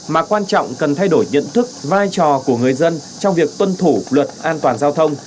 mà quan trọng cần thay đổi nhận thức vai trò của người dân trong việc tuân thủ luật an toàn giao thông